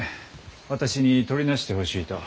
私にとりなしてほしいと。